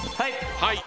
はい。